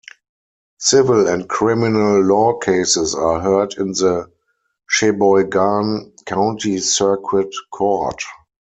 Civil and criminal law cases are heard in the Sheboygan County Circuit Court.